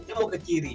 dia mau ke kiri